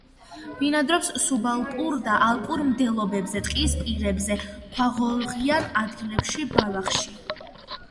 ბინადრობს სუბალპურ და ალპურ მდელოებზე, ტყის პირებზე, ქვაღორღიან ადგილებში, ბალახში.